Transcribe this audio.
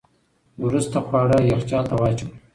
وروسته خواړه یخچال ته واچوئ.